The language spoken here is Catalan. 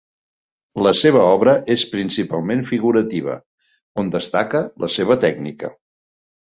La seva obra és principalment figurativa, on destaca la seva tècnica.